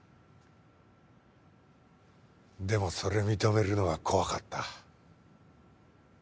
でもそれ認めるのが怖かった。